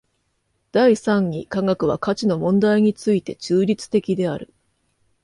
第三に科学は価値の問題について中立的である。